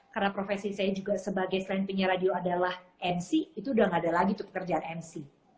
karena profesi saya juga sebagai selain punya radio adalah mc itu udah gak ada lagi tuh pekerjaan mc